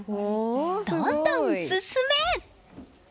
どんどん進め！